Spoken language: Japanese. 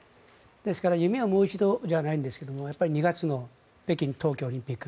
ですから夢はもう一度じゃないんですが２月の北京冬季オリンピック。